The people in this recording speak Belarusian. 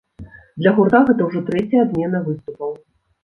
Для гурта гэта ўжо трэцяя адмена выступаў.